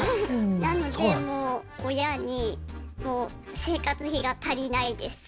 なのでもう親にもう生活費が足りないです。